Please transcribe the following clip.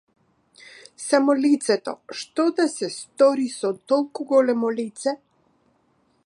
Само лицето, што да се стори со толку големо лице?